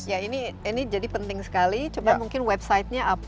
ya ini jadi penting sekali coba mungkin websitenya apa